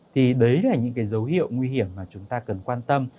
thì đấy là những cái dấu hiệu nguy hiểm mà chúng ta cần quan tâm